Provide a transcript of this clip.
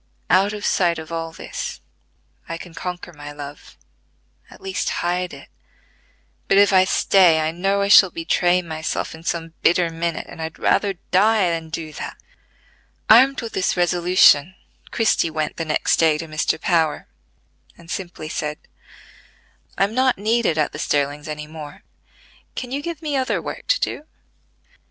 Out of sight of all this, I can conquer my love, at least hide it; but if I stay I know I shall betray myself in some bitter minute, and I'd rather die than do that." Armed with this resolution, Christie went the next day to Mr. Power, and simply said: "I am not needed at the Sterlings any more: can you give me other work to do?"